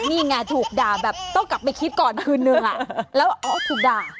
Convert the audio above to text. นี่ไงถูกด่าแบบต้องกลับไปคิดก่อนคืนนึงแล้วอ๋อถูกด่า